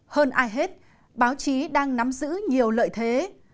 hơn ai hết báo chí đang nắm giữ nhiều lợi thế